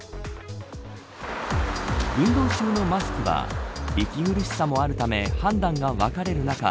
運動中のマスクは息苦しさもあるため判断が分かれる中